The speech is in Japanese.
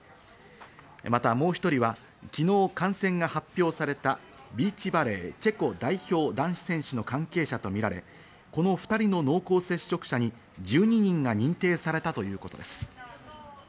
またもう１人は昨日、感染が発表されたビーチバレー、チェコ代表男子選手の関係者とみられ、この２人の濃厚接触者に１２人が認定されたということです。